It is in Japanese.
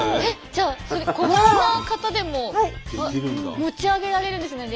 じゃあ小柄な方でも持ち上げられるんですね。